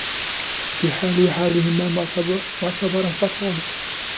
وَبِحَالِي وَحَالِهِمَا مُعْتَبَرًا فَقَالَا